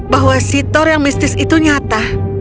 bahwa sitor yang mistis itu nyata